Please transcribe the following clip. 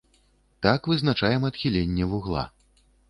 Так вызначаем адхіленне вугла.